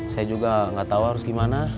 saya juga gak tau harus gimana